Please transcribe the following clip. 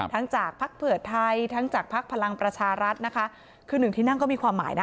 ทั้งจากภักดิ์เผิดไทยทั้งภักดิ์พลังประชารัฐนะคะคือ๑ที่นั่งก็มีความหมายนะ